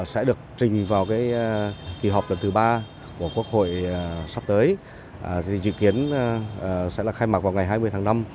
sẽ được trình vào cái kỳ họp lần thứ ba của quốc hội sắp tới thì dự kiến sẽ là khai mạc vào ngày hai mươi tháng năm